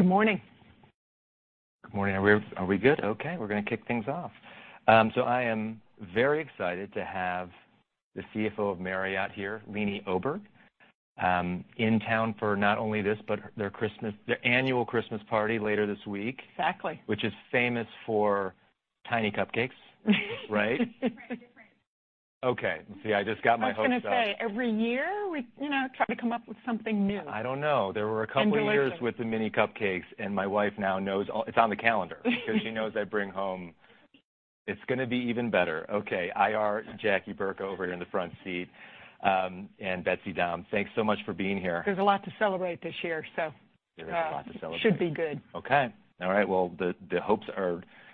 Good morning. Good morning. Are we good? Okay, we're gonna kick things off. I am very excited to have the CFO of Marriott here, Leeny Oberg, in town for not only this, but their Christmas, their annual Christmas party later this week. Exactly. Which is famous for tiny cupcakes. Right? Right. They're great. Okay. See, I just got my hopes up. I was gonna say, every year we, you know, try to come up with something new. I don't know. Delicious. There were a couple of years with the mini cupcakes, and my wife now knows... It's on the calendar. 'Cause she knows I bring home... It's gonna be even better. Okay, IR, Jackie Burka over here in the front seat, and Betsy Dahm, thanks so much for being here. There's a lot to celebrate this year so- There is a lot to celebrate. -should be good. Okay. All right. Well, the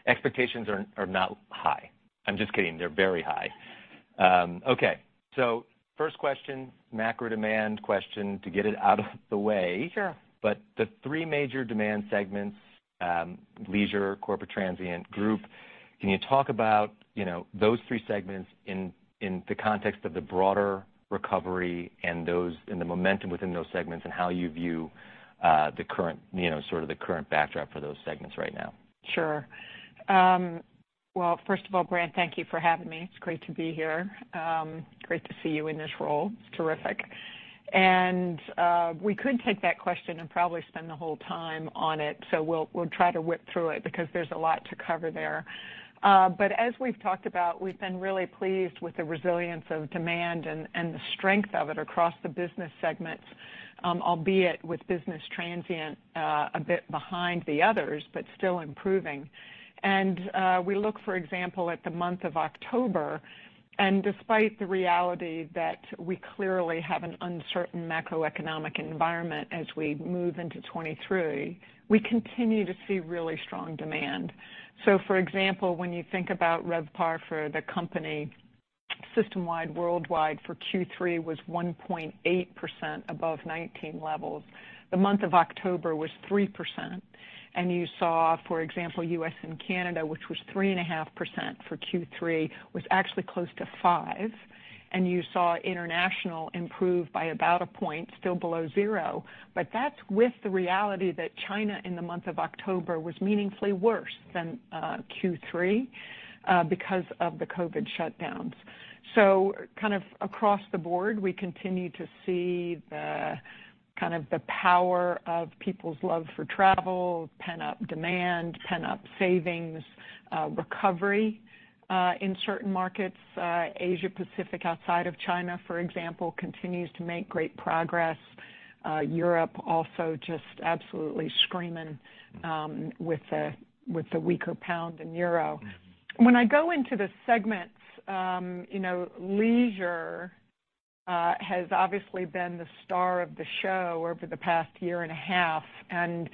expectations are not high. I'm just kidding. They're very high. Okay. First question, macro demand question to get it out of the way. Sure. The three major demand segments, leisure, corporate transient, group, can you talk about, you know, those three segments in the context of the broader recovery and those, and the momentum within those segments, and how you view, the current, you know, sort of the current backdrop for those segments right now? Sure. Well, first of all, Brandt, thank you for having me. It's great to be here. Great to see you in this role. It's terrific. We could take that question and probably spend the whole time on it, so we'll try to whip through it because there's a lot to cover there. As we've talked about, we've been really pleased with the resilience of demand and the strength of it across the business segments, albeit with business transient a bit behind the others, but still improving. We look, for example, at the month of October, and despite the reality that we clearly have an uncertain macroeconomic environment as we move into 2023, we continue to see really strong demand. For example, when you think about RevPAR for the company system-wide, worldwide for Q3 was 1.8% above 2019 levels. The month of October was 3%, and you saw, for example, U.S. and Canada, which was 3.5% for Q3, was actually close to 5%. You saw international improve by about a point, still below 0, but that's with the reality that China in the month of October was meaningfully worse than Q3 because of the COVID shutdowns. Kind of across the board, we continue to see the kind of the power of people's love for travel, pent-up demand, pent-up savings, recovery in certain markets. Asia Pacific outside of China, for example, continues to make great progress. Europe also just absolutely screaming with the weaker pound and euro. When I go into the segments, you know, leisure has obviously been the star of the show over the past year and a half, and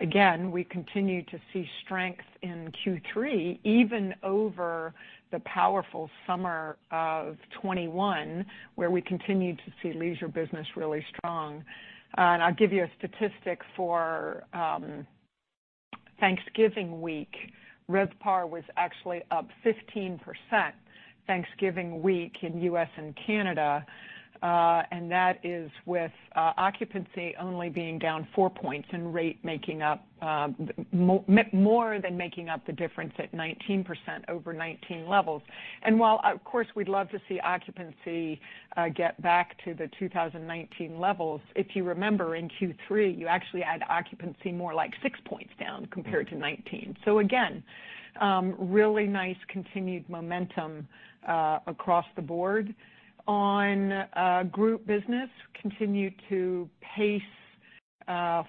again, we continue to see strength in Q3, even over the powerful summer of 2021, where we continued to see leisure business really strong. I'll give you a statistic for Thanksgiving week. RevPAR was actually up 15% Thanksgiving week in U.S. and Canada, and that is with occupancy only being down 4 points and rate making up more than making up the difference at 19% over 2019 levels. While, of course, we'd love to see occupancy get back to the 2019 levels, if you remember in Q3, you actually had occupancy more like 6 points down compared to 2019. Again, really nice continued momentum across the board. On group business, continue to pace 4%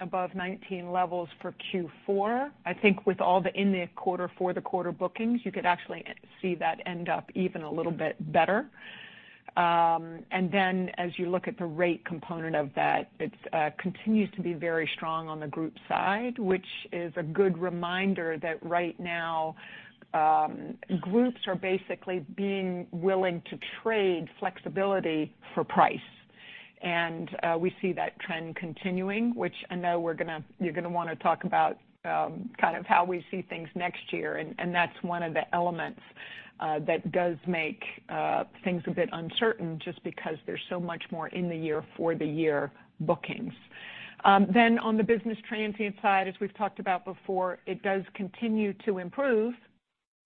above 2019 levels for Q4. I think with all the in the quarter, for the quarter bookings, you could actually see that end up even a little bit better. As you look at the rate component of that, it's continues to be very strong on the group side, which is a good reminder that right now, groups are basically being willing to trade flexibility for price. We see that trend continuing, which I know you're gonna wanna talk about kind of how we see things next year, and that's one of the elements that does make things a bit uncertain just because there's so much more in the year for the year bookings. On the business transient side, as we've talked about before, it does continue to improve,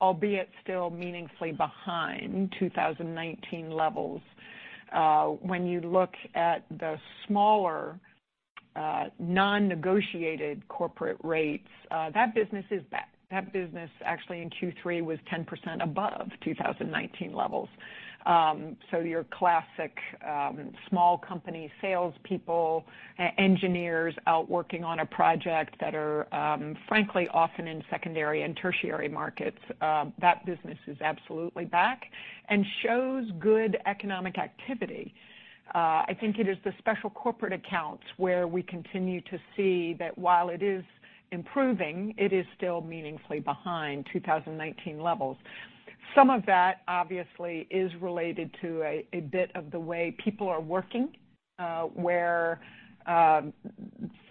albeit still meaningfully behind 2019 levels. When you look at the smaller, non-negotiated corporate rates, that business is back. That business actually in Q3 was 10% above 2019 levels. Your classic, small company salespeople, e-engineers out working on a project that are, frankly, often in secondary and tertiary markets, that business is absolutely back and shows good economic activity. I think it is the special corporate accounts where we continue to see that while it is improving, it is still meaningfully behind 2019 levels. Some of that obviously is related to a bit of the way people are working, where,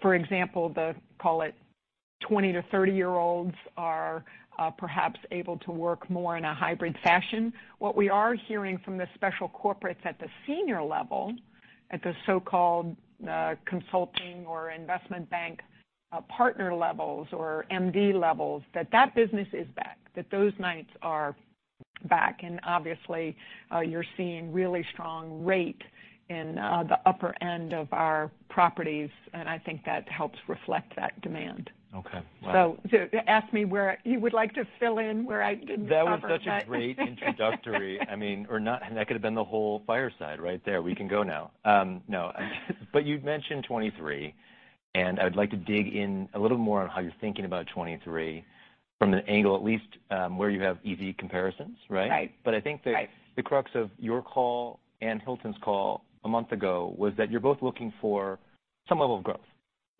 for example, the, call it 20- to 30-year-olds are perhaps able to work more in a hybrid fashion. What we are hearing from the special corporates at the senior level, at the so-called, consulting or investment bank, partner levels or MD levels, that business is back, that those nights are back. Obviously, you're seeing really strong rate in the upper end of our properties, and I think that helps reflect that demand. Okay. Wow. Ask me where you would like to fill in where I didn't cover. That was such a great introductory, I mean, that could have been the whole fireside right there. We can go now. No. You've mentioned 2023, and I would like to dig in a little more on how you're thinking about 2023 from the angle at least, where you have easy comparisons, right? Right. I think- Right -the crux of your call and Hilton's call a month ago was that you're both looking for some level of growth-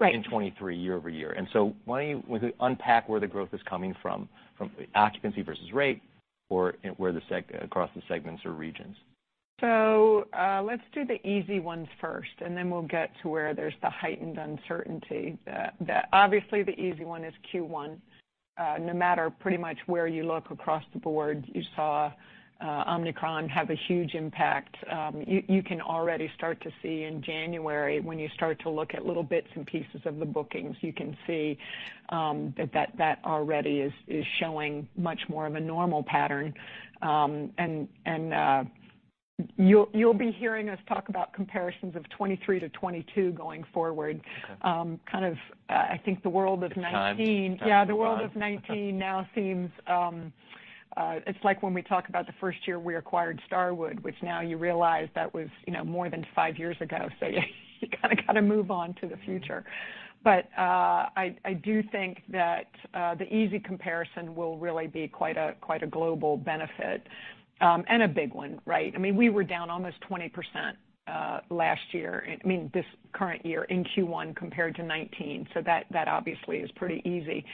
Right -in 2023 year-over-year. Would you unpack where the growth is coming from occupancy versus rate or where across the segments or regions? Let's do the easy ones first, and then we'll get to where there's the heightened uncertainty. Obviously, the easy one is Q1. No matter pretty much where you look across the board, you saw Omicron have a huge impact. You can already start to see in January when you start to look at little bits and pieces of the bookings. You can see that already is showing much more of a normal pattern. You'll be hearing us talk about comparisons of 2023 to 2022 going forward- Okay. -kind of, I think the world of 19- The times. The world of 2019 now seems, it's like when we talk about the first year we acquired Starwood, which now you realize that was, you know, more than five years ago. You kinda gotta move on to the future. I do think that the easy comparison will really be quite a, quite a global benefit, and a big one, right? I mean, we were down almost 20% last year, I mean, this current year in Q1 from compared to 2019, that obviously is pretty easy.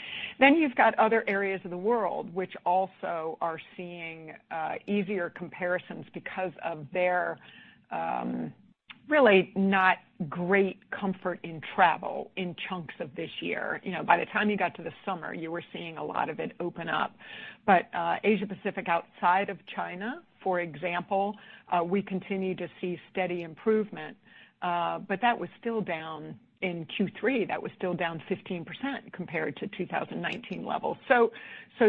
You've got other areas of the world, which also are seeing easier comparisons because of their really not great comfort in travel in chunks of this year. You know, by the time you got to the summer, you were seeing a lot of it open up. Asia-Pacific outside of China, for example, we continue to see steady improvement, but that was still down in Q3. That was still down 15% compared to 2019 levels.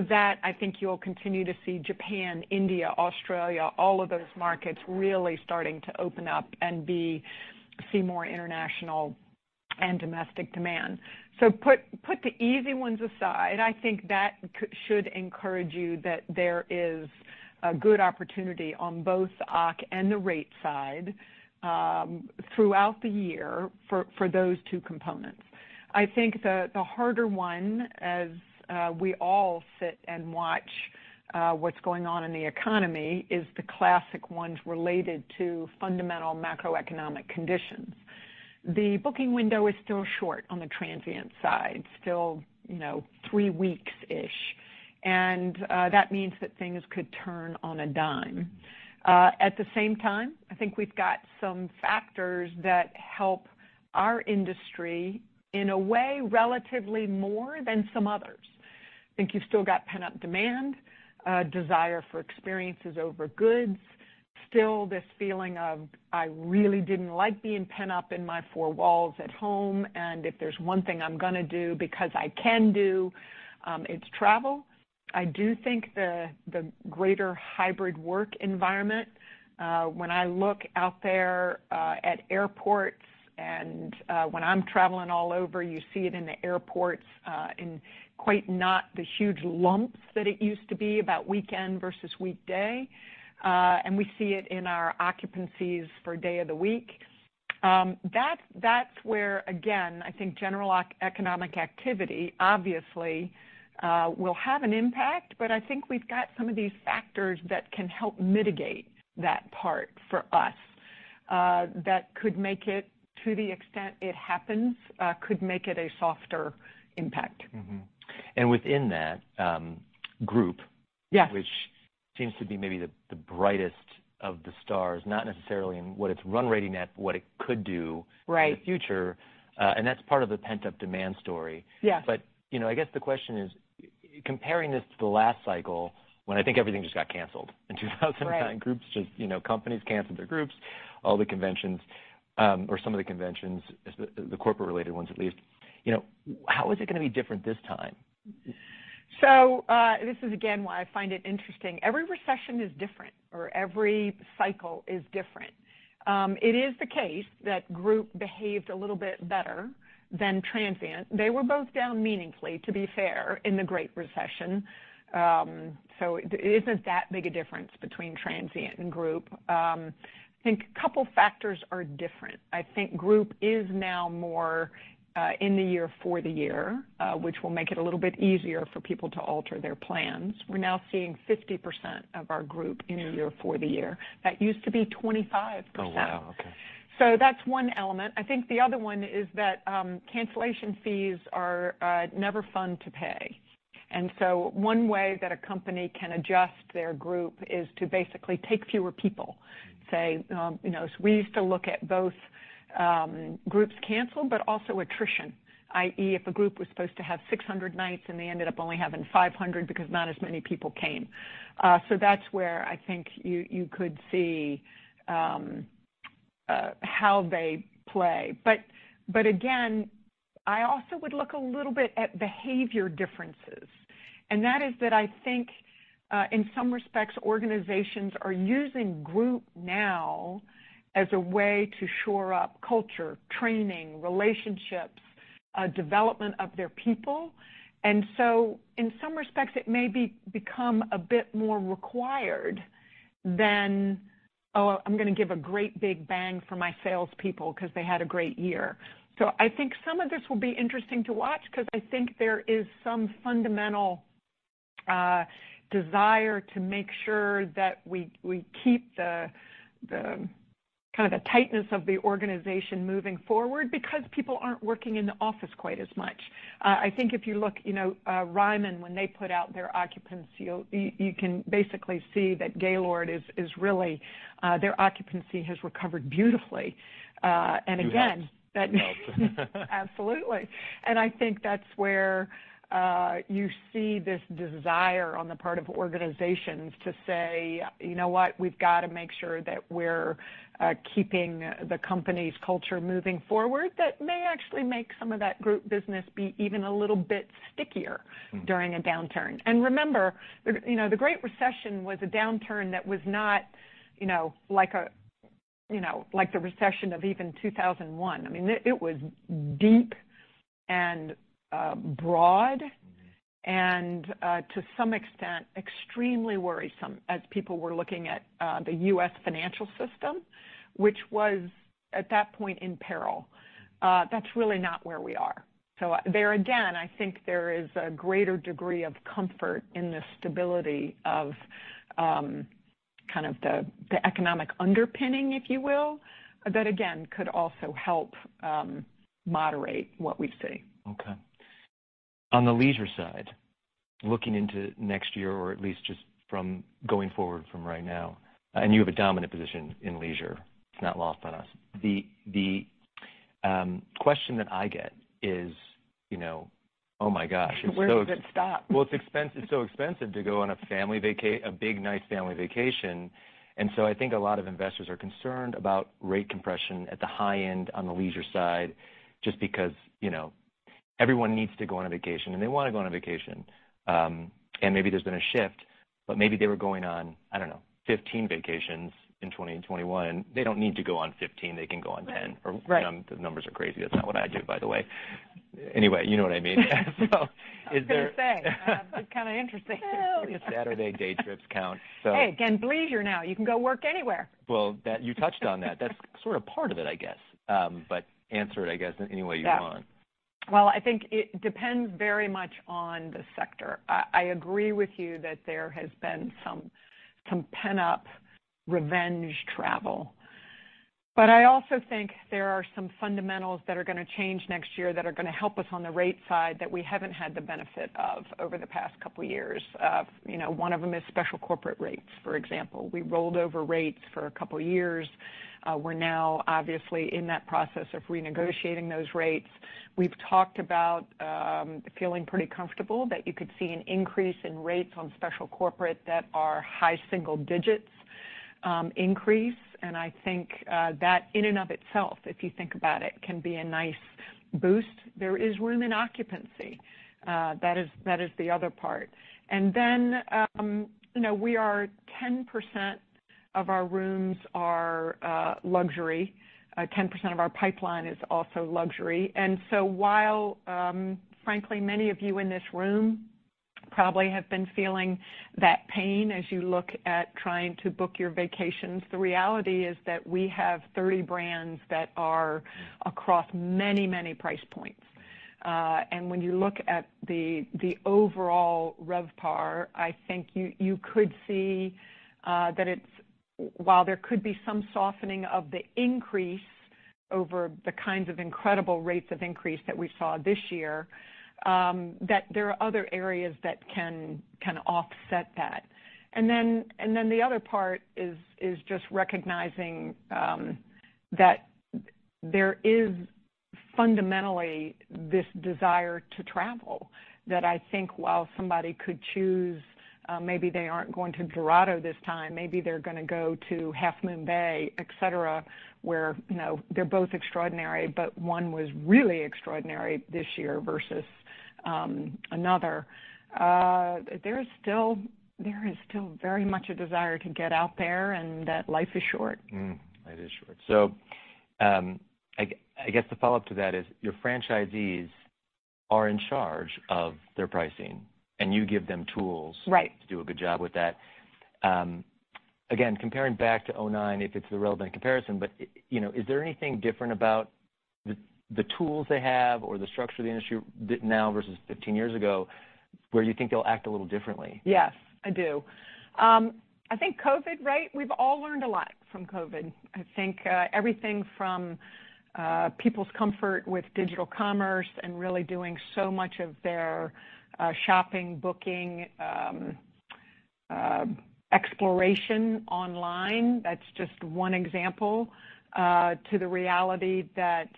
That, I think you'll continue to see Japan, India, Australia, all of those markets really starting to open up and see more international and domestic demand. Put the easy ones aside. I think that should encourage you that there is a good opportunity on both occ and the rate side, throughout the year for those two components. I think the harder one, as we all sit and watch what's going on in the economy, is the classic ones related to fundamental macroeconomic conditions. The booking window is still short on the transient side, still, you know, three weeks-ish. That means that things could turn on a dime. At the same time, I think we've got some factors that help our industry in a way relatively more than some others. I think you've still got pent-up demand, desire for experiences over goods. Still this feeling of, I really didn't like being pent up in my four walls at home, and if there's one thing I'm gonna do because I can do, it's travel. I do think the greater hybrid work environment, when I look out there, at airports and, when I'm traveling all over, you see it in the airports, in quite not the huge lumps that it used to be about weekend versus weekday. And we see it in our occupancies for day of the week. That's where, again, I think general economic activity obviously, will have an impact, but I think we've got some of these factors that can help mitigate that part for us, that could make it, to the extent it happens, could make it a softer impact. And within that group- Yes -which seems to be maybe the brightest of the stars, not necessarily in what it's run rating at, but what it could do- Right -in the future, and that's part of the pent-up demand story. Yes. You know, I guess the question is, comparing this to the last cycle when I think everything just got canceled in 2009. Right. Groups just, you know, companies canceled their groups, all the conventions, or some of the conventions, as the corporate related ones, at least. You know, how is it gonna be different this time? This is again why I find it interesting. Every recession is different, or every cycle is different. It is the case that group behaved a little bit better than transient. They were both down meaningfully, to be fair, in the Great Recession. It isn't that big a difference between transient and group. I think a couple factors are different. I think group is now more in the year for the year, which will make it a little bit easier for people to alter their plans. We're now seeing 50% of our group in a year for the year. That used to be 25%. Oh, wow. Okay. That's one element. I think the other one is that cancellation fees are never fun to pay. One way that a company can adjust their group is to basically take fewer people. Say, you know, we used to look at both groups canceled, but also attrition, i.e., if a group was supposed to have 600 nights and they ended up only having 500 because not as many people came. That's where I think you could see how they play. Again, I also would look a little bit at behavior differences. That is that I think, in some respects, organizations are using group now as a way to shore up culture, training, relationships, development of their people. In some respects, it may become a bit more required than, oh, I'm gonna give a great big bang for my salespeople 'cause they had a great year. I think some of this will be interesting to watch 'cause I think there is some fundamental desire to make sure that we keep the kind of the tightness of the organization moving forward because people aren't working in the office quite as much. I think if you look, you know, Ryman, when they put out their occupancy, you can basically see that Gaylord is really, their occupancy has recovered beautifully. Again- You helped. Absolutely. I think that's where you see this desire on the part of organizations to say, "You know what? We've got to make sure that we're keeping the company's culture moving forward," that may actually make some of that group business be even a little bit stickier- Mm-hmm. -during a downturn. Remember, the, you know, the Great Recession was a downturn that was not, you know, like a, you know, like the recession of even 2001. I mean, it was deep and, broad. Mm-hmm. To some extent, extremely worrisome as people were looking at the U.S. financial system, which was, at that point, in peril. That's really not where we are. There again, I think there is a greater degree of comfort in the stability of kind of the economic underpinning, if you will, that again could also help moderate what we see. Okay. On the leisure side, looking into next year, or at least just from going forward from right now, and you have a dominant position in leisure, it's not lost on us. The question that I get is, you know, oh my gosh. Where does it stop? It's so expensive to go on a big, nice family vacation. I think a lot of investors are concerned about rate compression at the high end on the leisure side, just because, you know, everyone needs to go on a vacation, and they wanna go on a vacation. Maybe there's been a shift, but maybe they were going on, I don't know, 15 vacations in 20 and 21. They don't need to go on 15, they can go on 10. Right, right. The numbers are crazy. That's not what I do, by the way. Anyway, you know what I mean. I was gonna say, it's kind of interesting. Saturday day trips count, so. Hey, again, bleisure now. You can go work anywhere. Well, that you touched on that. That's sort of part of it, I guess. Answer it, I guess, in any way you want. Yeah. Well, I think it depends very much on the sector. I agree with you that there has been some pent-up revenge travel. I also think there are some fundamentals that are gonna change next year that are gonna help us on the rate side that we haven't had the benefit of over the past two years. You know, one of them is special corporate rates, for example. We rolled over rates for two years. We're now obviously in that process of renegotiating those rates. We've talked about feeling pretty comfortable that you could see an increase in rates on special corporate that are high single digits increase. I think that in and of itself, if you think about it, can be a nice boost. There is room in occupancy. That is the other part. You know, we are 10% of our rooms are luxury. 10% of our pipeline is also luxury. While, frankly, many of you in this room probably have been feeling that pain as you look at trying to book your vacations, the reality is that we have 30 brands that are across many, many price points. When you look at the overall RevPAR, I think you could see that it's while there could be some softening of the increase over the kinds of incredible rates of increase that we saw this year, that there are other areas that can offset that. The other part is just recognizing that there is fundamentally this desire to travel, that I think while somebody could choose, maybe they aren't going to Dorado this time, maybe they're gonna go to Half Moon Bay, etcetera, where, you know, they're both extraordinary, but one was really extraordinary this year versus another. There is still very much a desire to get out there and that life is short. Life is short. I guess the follow-up to that is, your franchisees are in charge of their pricing, and you give them tools- Right. -to do a good job with that. Comparing back to 2009, if it's the relevant comparison, but, you know, is there anything different about the tools they have or the structure of the industry now versus 15 years ago where you think they'll act a little differently? Yes, I do. I think COVID, right, we've all learned a lot from COVID. I think everything from people's comfort with digital commerce and really doing so much of their shopping, booking, exploration online, that's just one example, to the reality that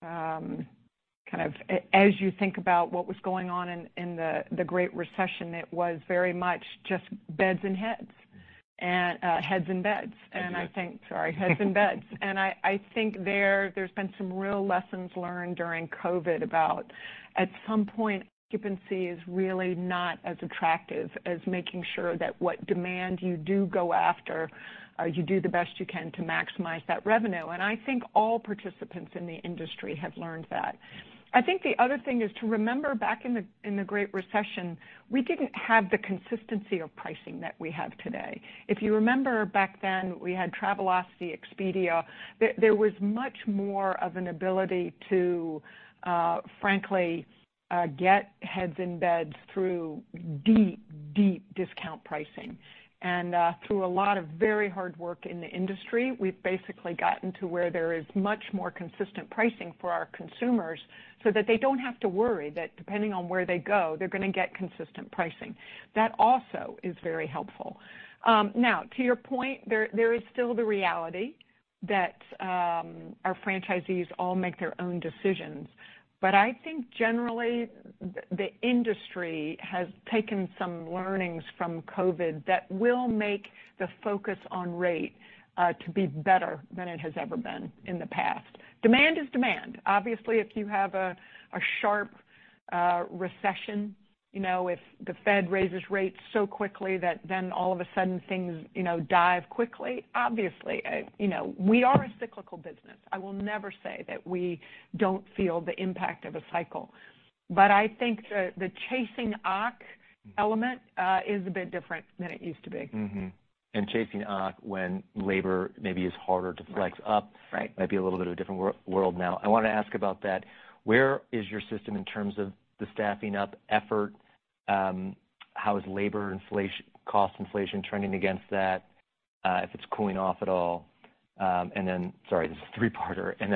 kind of as you think about what was going on in the Great Recession, it was very much just beds and heads, and heads and beds. Heads and beds. Sorry. Heads and beds. I think there's been some real lessons learned during COVID about, at some point, occupancy is really not as attractive as making sure that what demand you do go after, you do the best you can to maximize that revenue. I think all participants in the industry have learned that. I think the other thing is to remember back in the Great Recession, we didn't have the consistency of pricing that we have today. If you remember back then, we had Travelocity, Expedia. There was much more of an ability to, frankly, get heads in beds through deep discount pricing. Through a lot of very hard work in the industry, we've basically gotten to where there is much more consistent pricing for our consumers so that they don't have to worry that depending on where they go, they're gonna get consistent pricing. That also is very helpful. Now, to your point, there is still the reality that our franchisees all make their own decisions. I think generally, the industry has taken some learnings from COVID that will make the focus on rate to be better than it has ever been in the past. Demand is demand. Obviously, if you have a sharp recession, you know, if the Fed raises rates so quickly that then all of a sudden things, you know, dive quickly, obviously, you know, we are a cyclical business. I will never say that we don't feel the impact of a cycle. I think the chasing OCC element is a bit different than it used to be. Chasing OCC when labor maybe is harder to flex up- Right, right. -might be a little bit of a different world now. I wanna ask about that. Where is your system in terms of the staffing up effort? How is cost inflation trending against that, if it's cooling off at all? Then, sorry, this is a three-parter. Then,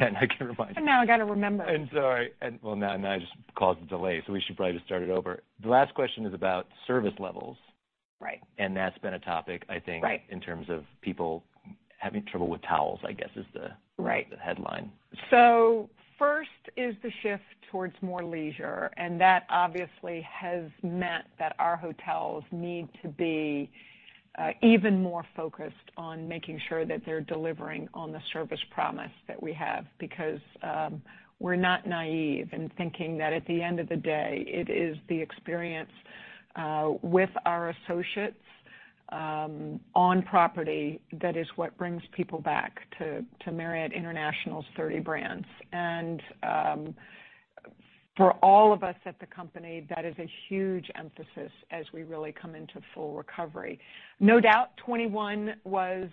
I can't remember. Now I gotta remember. Sorry. Well, now I just caused a delay, so we should probably just start it over. The last question is about service levels. Right. That's been a topic, I thin-- Right -in terms of people having trouble with towels, I guess, is- Right -the headline. First is the shift towards more leisure, and that obviously has meant that our hotels need to be even more focused on making sure that they're delivering on the service promise that we have because we're not naive in thinking that at the end of the day, it is the experience with our associates on property that is what brings people back to Marriott International's 30 brands. For all of us at the company, that is a huge emphasis as we really come into full recovery. No doubt, 2021 was.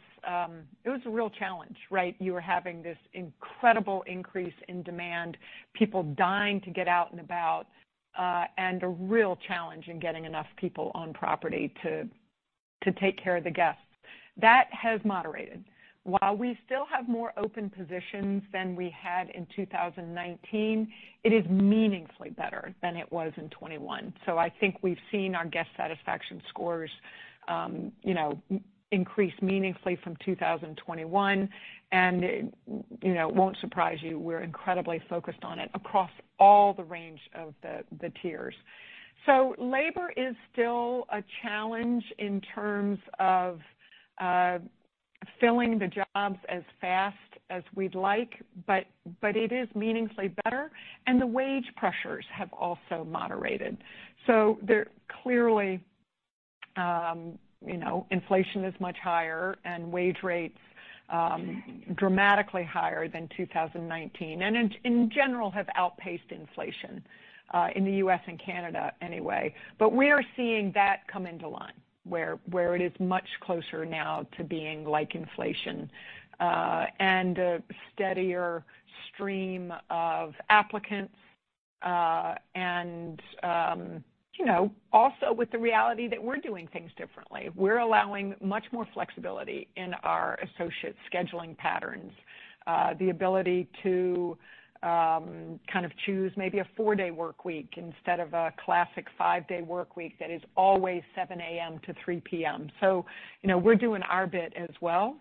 It was a real challenge, right? You were having this incredible increase in demand, people dying to get out and about, and a real challenge in getting enough people on property to take care of the guests. That has moderated. While we still have more open positions than we had in 2019, it is meaningfully better than it was in 2021. I think we've seen our guest satisfaction scores, you know, increase meaningfully from 2021, and, you know, it won't surprise you, we're incredibly focused on it across all the range of the tiers. Labor is still a challenge in terms of filling the jobs as fast as we'd like, but it is meaningfully better, and the wage pressures have also moderated. There clearly, you know, inflation is much higher, and wage rates dramatically higher than 2019, and in general, have outpaced inflation in the U.S. and Canada anyway. We are seeing that come into line, where it is much closer now to being like inflation, and a steadier stream of applicants. you know, also with the reality that we're doing things differently. We're allowing much more flexibility in our associate scheduling patterns, the ability to kind of choose maybe a four-day workweek instead of a classic five-day workweek that is always 7:00 A.M. to 3:00 P.M. you know, we're doing our bit as well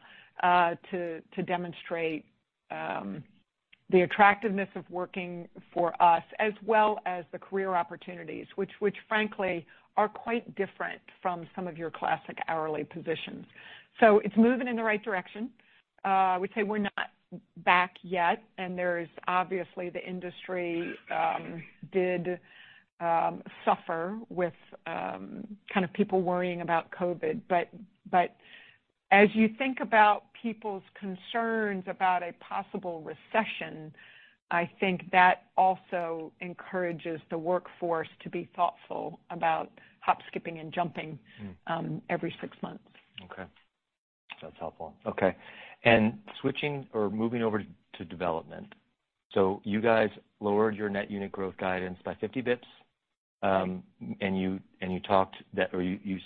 to demonstrate the attractiveness of working for us as well as the career opportunities, which frankly are quite different from some of your classic hourly positions. It's moving in the right direction. I would say we're not back yet, and there is obviously the industry did suffer with kind of people worrying about COVID. But as you think about people's concerns about a possible recession, I think that also encourages the workforce to be thoughtful about hop, skipping, and jumping every six months. Okay. That's helpful. Okay. Switching or moving over to development. You guys lowered your net unit growth guidance by 50 bips, and you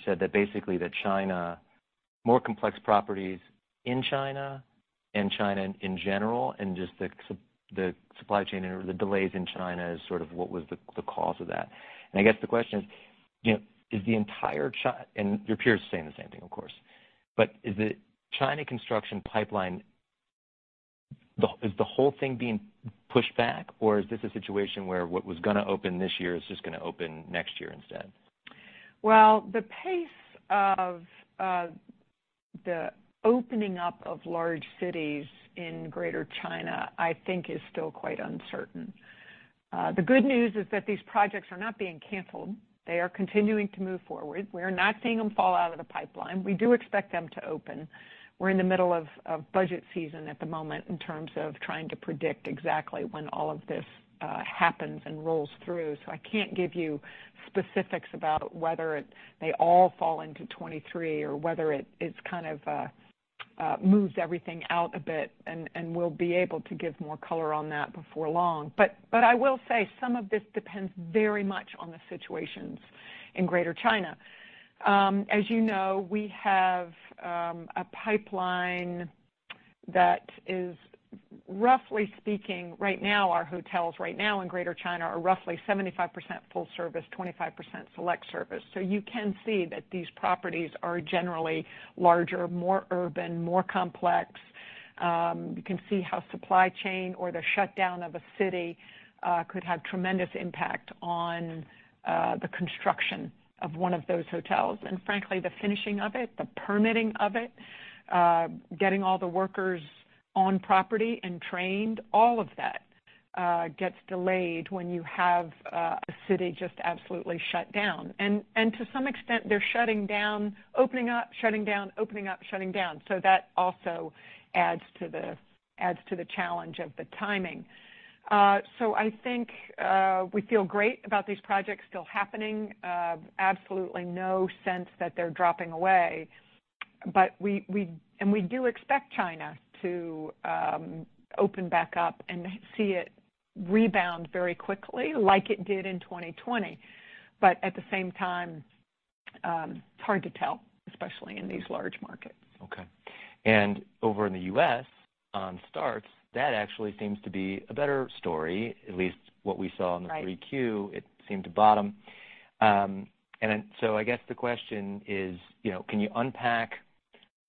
said that basically that China, more complex properties in China and China in general, and just the supply chain or the delays in China is sort of what was the cause of that. I guess the question is, you know, and your peers are saying the same thing, of course, is the China construction pipeline, is the whole thing being pushed back? Or is this a situation where what was gonna open this year is just gonna open next year instead? The pace of the opening up of large cities in Greater China, I think, is still quite uncertain. The good news is that these projects are not being canceled. They are continuing to move forward. We're not seeing them fall out of the pipeline. We do expect them to open. We're in the middle of budget season at the moment in terms of trying to predict exactly when all of this happens and rolls through. I can't give you specifics about whether they all fall into 2023 or whether it's kind of moves everything out a bit, and we'll be able to give more color on that before long. I will say some of this depends very much on the situations in Greater China. As you know, we have a pipeline that is, roughly speaking, right now, our hotels right now in Greater China are roughly 75% full service, 25% select service. You can see that these properties are generally larger, more urban, more complex. You can see how supply chain or the shutdown of a city could have tremendous impact on the construction of one of those hotels. Frankly, the finishing of it, the permitting of it, getting all the workers on property and trained, all of that gets delayed when you have a city just absolutely shut down. To some extent, they're shutting down, opening up, shutting down, opening up, shutting down. That also adds to the challenge of the timing. I think we feel great about these projects still happening. absolutely no sense that they're dropping away. We do expect China to open back up and see it rebound very quickly like it did in 2020. At the same time, it's hard to tell, especially in these large markets. Okay. Over in the U.S. on starts, that actually seems to be a better story, at least what we saw in the- Right -3Q, it seemed to bottom. I guess the question is, you know, can you unpack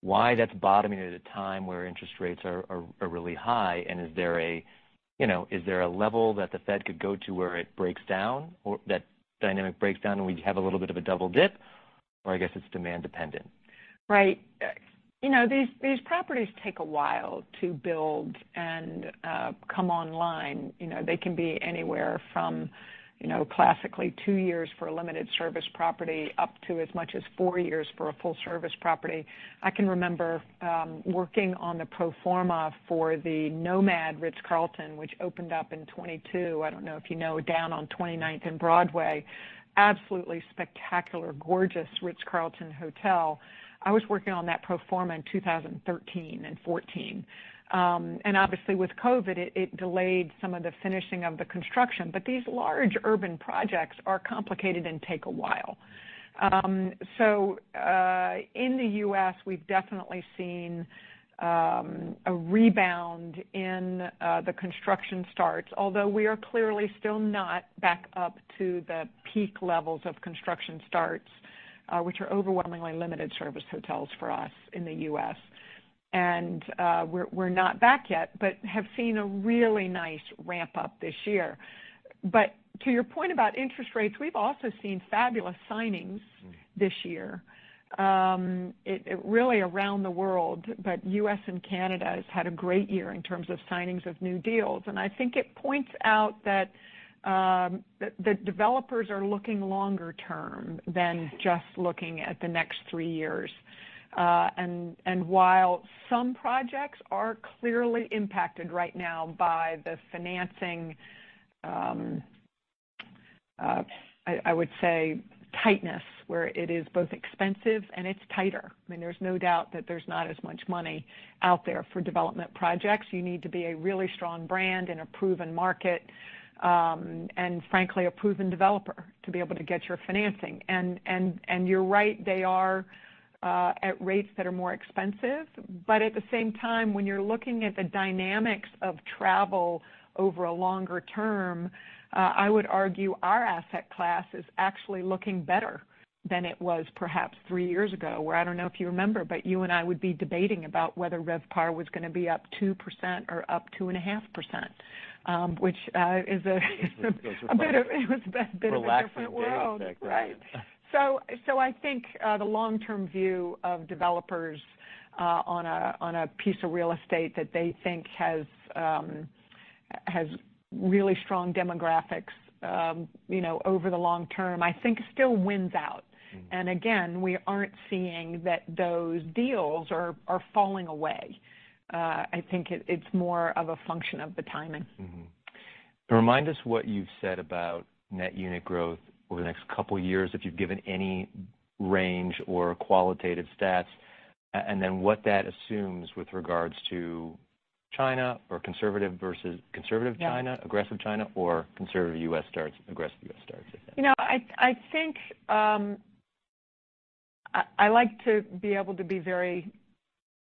why that's bottoming at a time where interest rates are really high? Is there a, you know, a level that the Fed could go to where it breaks down or that dynamic breaks down, and we have a little bit of a double dip, or I guess it's demand dependent? Right. You know, these properties take a while to build and come online. You know, they can be anywhere from, you know, classically two years for a limited service property up to as much as four years for a full service property. I can remember working on the pro forma for the NoMad Ritz-Carlton, which opened up in 2022. I don't know if you know, down on 29th and Broadway. Absolutely spectacular, gorgeous Ritz-Carlton Hotel. I was working on that pro forma in 2013 and 2014. Obviously with COVID, it delayed some of the finishing of the construction. These large urban projects are complicated and take a while. In the U.S., we've definitely seen a rebound in the construction starts, although we are clearly still not back up to the peak levels of construction starts, which are overwhelmingly limited service hotels for us in the U.S. We're not back yet, but have seen a really nice ramp up this year. To your point about interest rates, we've also seen fabulous signings this year. It really around the world, but U.S. and Canada has had a great year in terms of signings of new deals. I think it points out that developers are looking longer term than just looking at the next three years. While some projects are clearly impacted right now by the financing, I would say tightness, where it is both expensive and it's tighter. I mean, there's no doubt that there's not as much money out there for development projects. You need to be a really strong brand in a proven market, and frankly, a proven developer to be able to get your financing. And you're right, they are at rates that are more expensive. At the same time, when you're looking at the dynamics of travel over a longer term, I would argue our asset class is actually looking better than it was perhaps three years ago, where I don't know if you remember, but you and I would be debating about whether RevPAR was gonna be up 2% or up 2.5%, which is a bit of- Those were- -it was a bit of a different world. -relaxing days back then. I think, the long-term view of developers, on a piece of real estate that they think has really strong demographics, you know, over the long term, I think still wins out. Mm-hmm. Again, we aren't seeing that those deals are falling away. I think it's more of a function of the timing. Remind us what you've said about net unit growth over the next couple of years, if you've given any range or qualitative stats, and then what that assumes with regards to China or conservative versus conservative China- Yeah -aggressive China or conservative U.S. starts, aggressive U.S. starts I guess. You know, I think, I like to be able to be very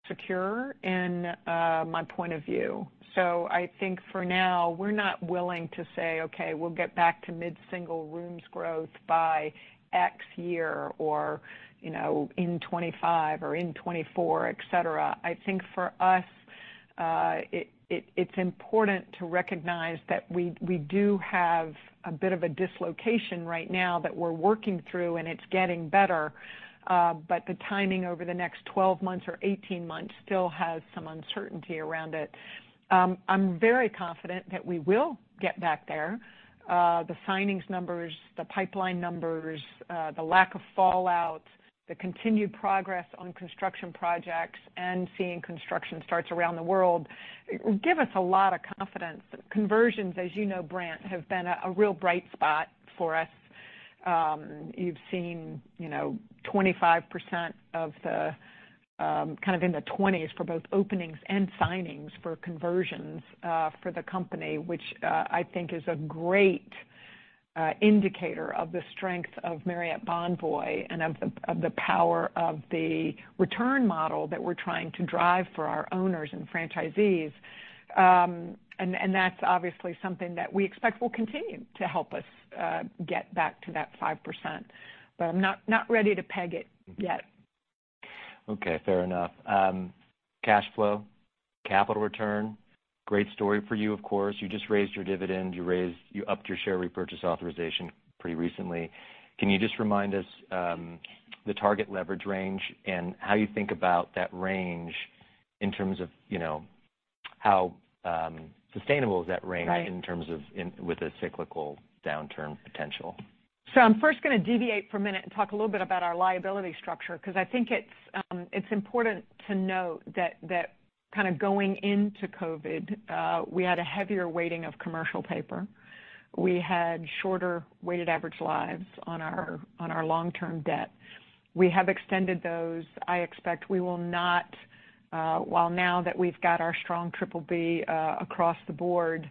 secure in my point of view. I think for now, we're not willing to say, "Okay, we'll get back to mid-single-digit rooms growth by X year," or, you know, in 2025 or in 2024, et cetera. I think for us, it, it's important to recognize that we do have a bit of a dislocation right now that we're working through, and it's getting better. The timing over the next 12 months or 18 months still has some uncertainty around it. I'm very confident that we will get back there. The signings numbers, the pipeline numbers, the lack of fallout, the continued progress on construction projects and seeing construction starts around the world, give us a lot of confidence. Conversions, as you know, Brandt, have been a real bright spot for us. You've seen, you know, 25% of the kind of in the 20s for both openings and signings for conversions for the company, which I think is a great indicator of the strength of Marriott Bonvoy and of the power of the return model that we're trying to drive for our owners and franchisees. That's obviously something that we expect will continue to help us get back to that 5%. But I'm not ready to peg it yet. Okay. Fair enough. Cash flow, capital return, great story for you, of course. You just raised your dividend. You upped your share repurchase authorization pretty recently. Can you just remind us the target leverage range and how you think about that range in terms of, you know, how sustainable is that range Right -in terms of with a cyclical downturn potential? I'm first gonna deviate for a minute and talk a little bit about our liability structure, 'cause I think it's important to note that kind of going into COVID, we had a heavier weighting of commercial paper. We had shorter weighted average lives on our, on our long-term debt. We have extended those. I expect we will not, while now that we've got our strong BBB across the board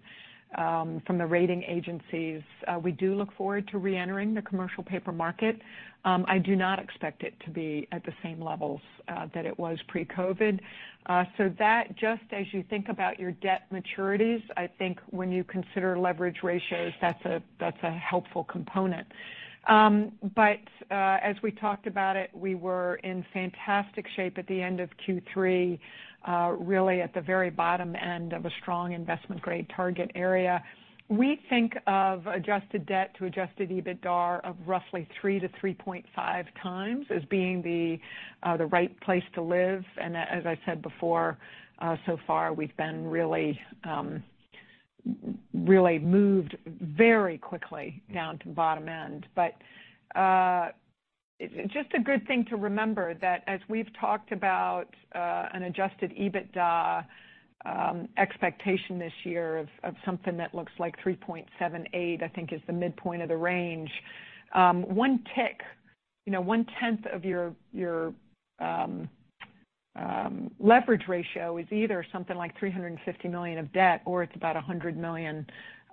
from the rating agencies, we do look forward to reentering the commercial paper market. I do not expect it to be at the same levels that it was pre-COVID. That, just as you think about your debt maturities, I think when you consider leverage ratios, that's a helpful component. As we talked about it, we were in fantastic shape at the end of Q3, really at the very bottom end of a strong investment-grade target area. We think of adjusted debt to adjusted EBITDAR of roughly 3-3.5x as being the right place to live. As I said before, so far we've been really moved very quickly down to bottom end. Just a good thing to remember that as we've talked about an adjusted EBITDA expectation this year of something that looks like 3.78, I think is the midpoint of the range. One tick, you know, one-tenth of your leverage ratio is either something like $350 million of debt, or it's about $100 million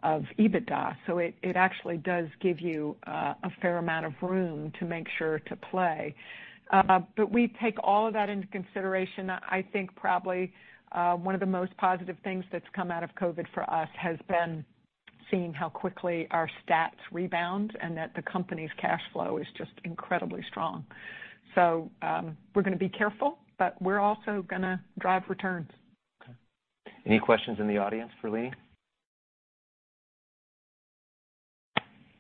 of EBITDA. It, it actually does give you a fair amount of room to make sure to play. We take all of that into consideration. I think probably one of the most positive things that's come out of COVID for us has been seeing how quickly our stats rebound and that the company's cash flow is just incredibly strong. We're gonna be careful, but we're also gonna drive returns. Okay. Any questions in the audience for Leeny?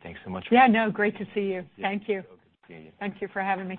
Thanks so much for- Yeah, no, great to see you. Thank you. Good to see you. Thank you for having me.